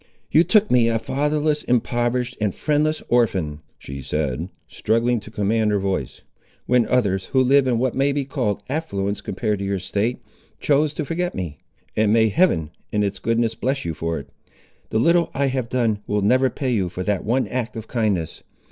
"You took me a fatherless, impoverished, and friendless orphan," she said, struggling to command her voice, "when others, who live in what may be called affluence compared to your state, chose to forget me; and may Heaven in its goodness bless you for it! The little I have done, will never pay you for that one act of kindness.